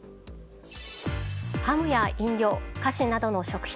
ハムや飲料、菓子などの食品